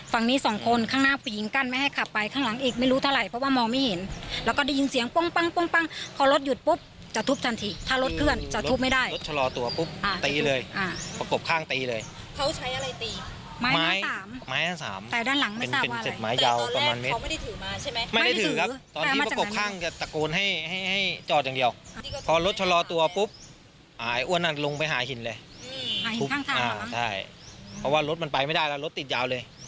ฝั่งนี้สองคนข้างหน้าปียิงกั้นไม่ให้ขับไปข้างหลังอีกไม่รู้เท่าไรเพราะว่ามองไม่เห็นแล้วก็ได้ยินเสียงปุ้งปังปุ้งปังพอรถหยุดปุ๊บจะทุบทันทีถ้ารถเคลื่อนจะทุบไม่ได้รถชะลอตัวปุ๊บอ่าตีเลยอ่าประกบข้างตีเลยเขาใช้อะไรตีไม้สามไม้สามแต่ด้านหลังไม่ทราบว่าอะไรเป็นเจ็บไม้ยาวประมาณเม็ดเขาไม่ได้ถื